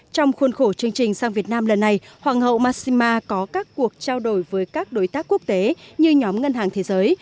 trong khuôn khổ chương trình sang việt nam lần này hoàng hậu mashima có các cuộc trao đổi với các đối tác quốc tế như nhóm ngân hàng thế giới